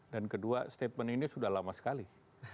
dan kedua statement ini sudah lama sekali